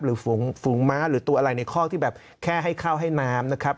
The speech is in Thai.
ฝูงม้าหรือตัวอะไรในคอกที่แบบแค่ให้ข้าวให้น้ำนะครับ